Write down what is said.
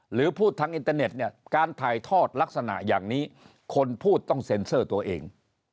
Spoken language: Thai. หรือพูดทางอินเตอร์เน็ตเนี่ยการถ่ายทอดลักษณะอย่างนี้คนพูดต้องเซ็นเซอร์ตัวเอง